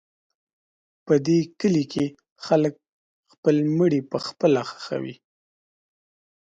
په دې کلي کې خلک خپل مړي پخپله ښخوي.